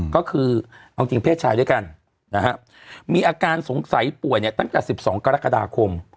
ก็คือเอาจริงเพศชายด้วยกันนะฮะมีอาการสงสัยป่วยเนี่ยตั้งแต่๑๒กรกฎาคม